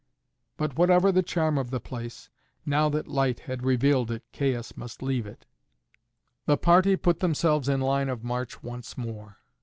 But whatever the charm of the place, now that light had revealed it Caius must leave it. The party put themselves in line of march once more.